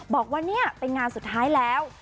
บอกว่านี่เป็นงานสุดท้ายแล้ว